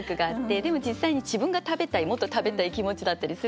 でも実際に自分が食べたいもっと食べたい気持ちだったりするんですけど。